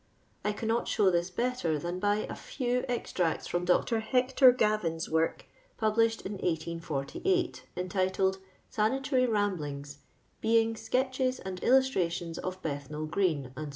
I cannot show this better than by a few ex tracts from Dr. Hector Gavin's work, published in 1848, entitled, Sanitary Ramblings ; being Sketches and Illustrations of Bethnol Green, <fec."